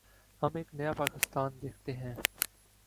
ہم ایک نیا پاکستان دیکھتے ہیں۔